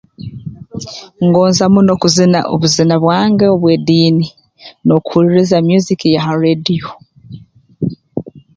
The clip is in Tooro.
Ngonza muno kuzina obuzina bwange obw'ediini n'okuhulirriza music eya ha rreediyo